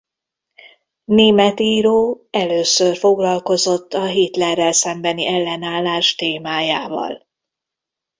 Német író először foglalkozott a Hitlerrel szembeni ellenállás témájával.